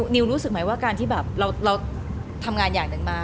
นิวรู้สึกไหมว่าการที่แบบเราทำงานอย่างหนึ่งมา